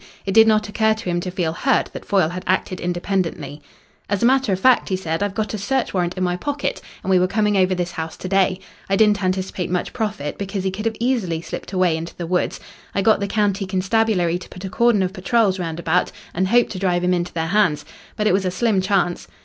It did not occur to him to feel hurt that Foyle had acted independently. "As a matter of fact," he said, "I've got a search warrant in my pocket, and we were coming over this house to day. I didn't anticipate much profit, because he could have easily slipped away into the woods. I got the county constabulary to put a cordon of patrols round about, and hoped to drive him into their hands. But it was a slim chance.